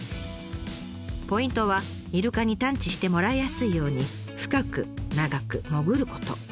ポイントはイルカに探知してもらいやすいように深く長く潜ること。